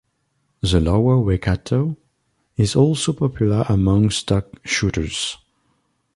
The lower Waikato is also popular amongst duck shooters.